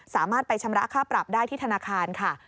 สามารถไปชำระค่าปรับได้ที่ธนาคารค่ะ